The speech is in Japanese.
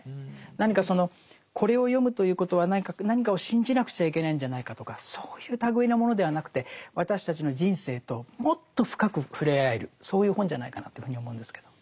何かそのこれを読むということは何かを信じなくちゃいけないんじゃないかとかそういう類いのものではなくて私たちの人生ともっと深く触れ合えるそういう本じゃないかなというふうに思うんですけど。